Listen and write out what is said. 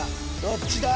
どっちだ？